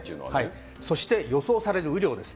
そして予想される雨量です。